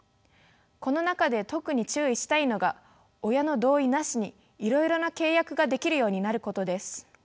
この中で特に注意したいのが親の同意なしにいろいろな契約ができるようになることです。